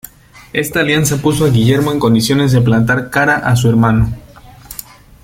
Esta alianza puso a Guillermo en condiciones de plantar cara a su hermano.